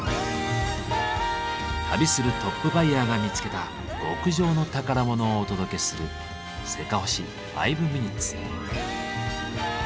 旅するトップバイヤーが見つけた極上の宝物をお届けする「せかほし５ｍｉｎ．」。